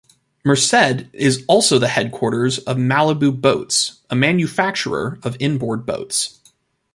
Merced is also the headquarters of Malibu Boats, a manufacturer of inboard boats.